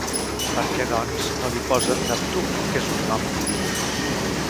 Per què, doncs, no li posen Neptú, que és un nom diví?